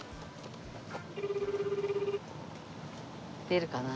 出るかな。